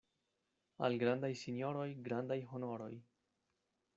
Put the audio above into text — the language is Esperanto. Al grandaj sinjoroj grandaj honoroj.